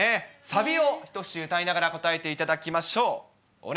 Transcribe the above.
サビを一節歌いながら答えていただきましょう。